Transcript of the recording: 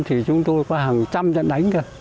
thì chúng tôi có hàng trăm trận đánh